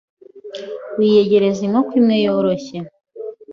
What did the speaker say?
wiyegereza inkoko imwe yoroshye